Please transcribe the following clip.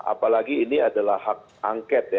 apalagi ini adalah hak angket ya